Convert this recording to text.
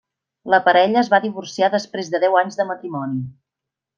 La parella es va divorciar després de deu anys de matrimoni.